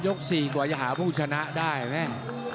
๔กว่าจะหาผู้ชนะได้แม่